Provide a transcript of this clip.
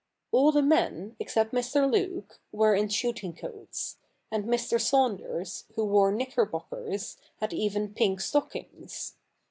All the men, except Mr. Luke, were in shooting coats ; and Mr. Saunders, who wore knickerbockers, had even pink stockings.